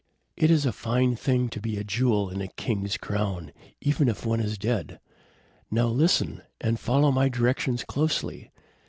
It is a fine thing to be a jewel in a king's crown, even if one is dead. Now listen, and follow my directions closely.